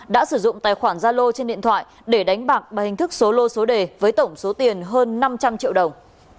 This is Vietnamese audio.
đã sử dụng tài khoản gia lô trên điện thoại để đánh bạc bằng hình thức số lô số đề với tổng số tiền hơn năm trăm linh triệu đồng